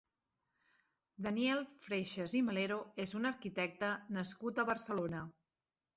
Daniel Freixes i Melero és un arquitecte nascut a Barcelona.